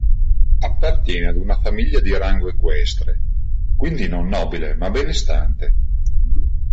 Appartiene ad una famiglia di rango equestre, quindi non nobile ma benestante.